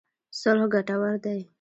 صلح ګټور دی.